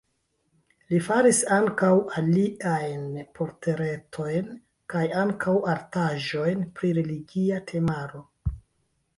Li faris ankaŭ aliajn portretojn kaj ankaŭ artaĵojn pri religia temaro.